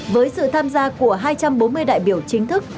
với sự tham gia của hai trăm bốn mươi đại biểu chính thức